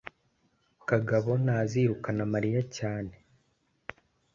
kagabo ntazirukana mariya cyane